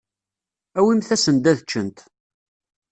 Awimt-asen-d ad ččent.